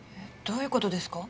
どういう事ですか？